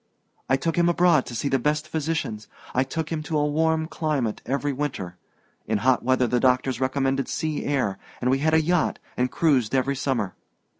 I took him abroad to see the best physicians I took him to a warm climate every winter. In hot weather the doctors recommended sea air, and we had a yacht and cruised every summer.